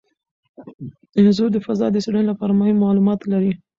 انځور د فضا د څیړنې لپاره مهم معلومات لري.